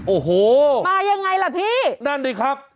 โอ้โหมายังไงล่ะพี่นั่นดิครับ